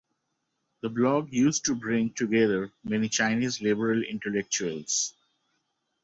The blog used to bring together many Chinese liberal intellectuals.